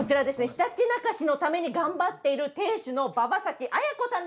ひたちなか市のために頑張っている店主の馬場先綾子さんでございます。